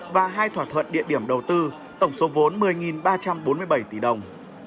và hai thỏa thuận địa điểm đầu tư tổng số vốn một mươi ba trăm bốn mươi bảy tỷ đồng